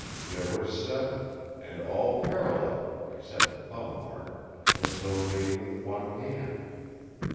There were seven; and all parallel, except the thumb mark, as though made with one hand.